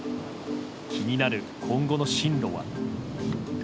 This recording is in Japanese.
気になる今後の進路は。